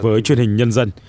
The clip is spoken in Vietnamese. với truyền hình nhân dân